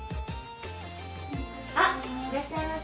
あっいらっしゃいませ。